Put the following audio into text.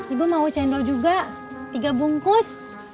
ibu mau cendol juga tiga bungkus